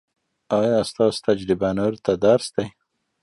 ایا ستاسو تجربه نورو ته درس دی؟